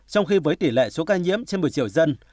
trong khi với tỉ lệ ca nhiễm trên một mươi triệu dân